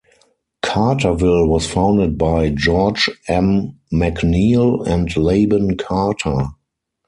Carterville was founded by George M. McNeill and Laban Carter.